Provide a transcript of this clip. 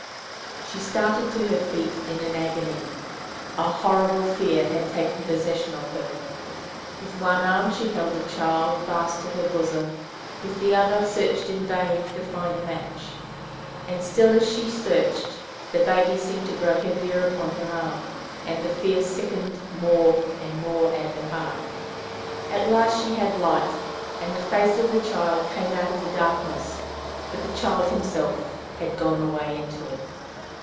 She started to her feet in an agony: a horrible fear had taken possession of her. With one arm she held the child fast to her bosom, with the other hand searched in vain to find a match. And still, as she searched, the baby seemed to grow heavier upon her arm, and the fear sickened more and more at her heart. At last she had light! and the face of the child came out of the darkness. But the child himself had gone away into it.